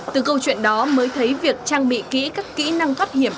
từ câu chuyện đó mới thấy việc trang bị kỹ các kỹ năng thoát hiểm